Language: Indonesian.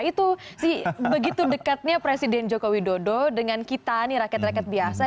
itu sih begitu dekatnya presiden joko widodo dengan kita nih rakyat rakyat biasa